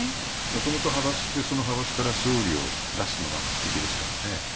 元々派閥って派閥から総理を出すのが目的ですからね。